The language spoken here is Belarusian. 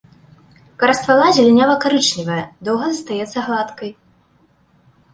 Кара ствала зелянява-карычневая, доўга застаецца гладкай.